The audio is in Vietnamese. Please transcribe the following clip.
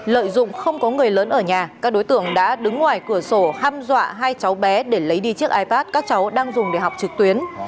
lợi dụng không có người lớn ở nhà các đối tượng đã đứng ngoài cửa sổ ham dọa hai cháu bé